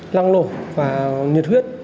lăng lộ và nhiệt huyết